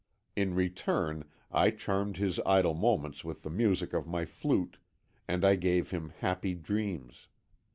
In return I charmed his idle moments with the music of my flute, and I gave him happy dreams.